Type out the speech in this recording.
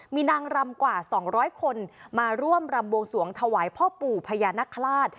มีนางรำกว่า๒๐๐คนมาร่วมรำบวงสวงถวายพ่อปู่พญานคราช